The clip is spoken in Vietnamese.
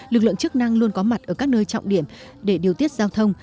lực lượng chức năng luôn có mặt ở các nơi trọng điểm để điều tiết giao thông